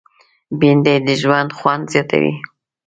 بېنډۍ د ژوند خوند زیاتوي